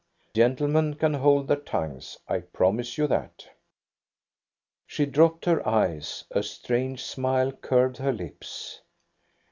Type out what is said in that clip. Gentlemen can hold their tongues. I promise you that." She dropped her eyes. A strange smile curved her lips.